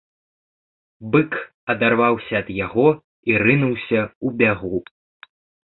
Бык адарваўся ад яго і рынуўся ў бягу.